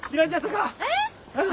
えっ？